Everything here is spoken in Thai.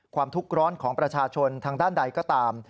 ความทุกข์ร้อนของประชาชนทางด้านใดก็ตาม